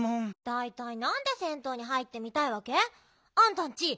だいたいなんで銭湯に入ってみたいわけ？あんたんち